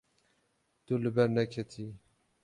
Tu li ber neketiyî.